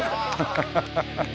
ハハハハッ。